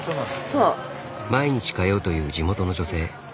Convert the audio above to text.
毎日通うという地元の女性。